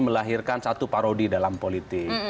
melahirkan satu parodi dalam politik